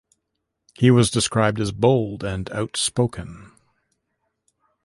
He was described as bold and outspoken.